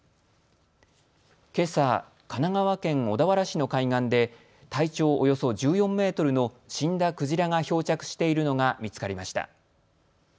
けさ、神奈川県小田原市の海岸で体長およそ１４メートルの死んだクジラが漂着しているのが見つかりました。